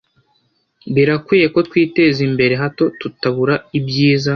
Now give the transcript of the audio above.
birakwiye ko twiteza imbere hato tutabura ibyiza